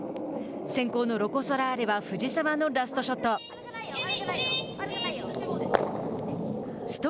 先攻のロコ・ソラーレは藤澤のラストショット。